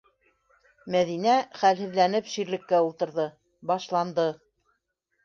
Мәҙинә, хәлһеҙләнеп, ширлеккә ултырҙы: «Башланды!»